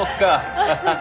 ハハハハ。